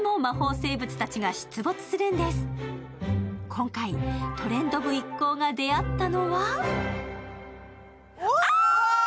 今回、「トレンド部」一行が出会ったのはあーっ！